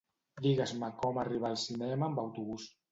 Digues-me com arribar al cinema amb autobús.